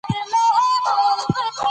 د قانون نه تطبیق ستونزې پراخوي